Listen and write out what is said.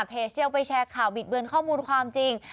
เชียวไปแชร์ข่าวบิดเบือนข้อมูลความจริง